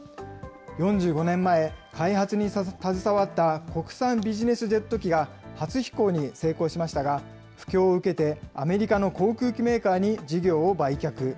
４５年前、開発に携わった国産ビジネスジェット機が初飛行に成功しましたが、不況を受けてアメリカの航空機メーカーに事業を売却。